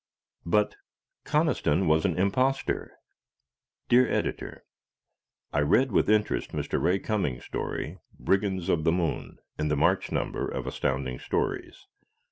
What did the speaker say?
But Conniston Was An Impostor! Dear Editor: I read with interest Mr. Ray Cummings' story, "Brigands of the Moon," in the March number of Astounding Stories.